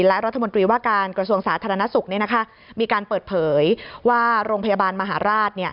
และรัฐมนตรีว่าการกระทรวงสาธารณสุขมีการเปิดเผยว่าโรงพยาบาลมหาราช